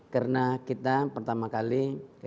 karena kita pertama kali